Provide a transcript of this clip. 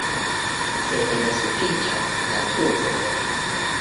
Sed ne sufiĉas statuoj.